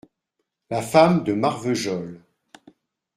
La femme de Marvejol.